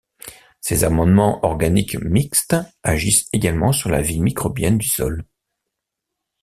Ces amendements organiques mixtes agissent également sur la vie microbienne du sol.